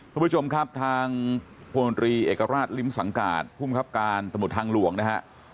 ท่านผู้ชมครับทางธรรมดรีเอกราชลิมศังกาตผู้จับการสมุทรทางหลวงนะครับ